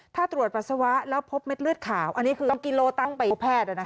ถ้าตรวจปัสสาวะแล้วพบเม็ดเลือดขาวอันนี้คือกิโลตั้งไปแพทย์